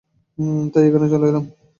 তাই এখানে চলে এলাম।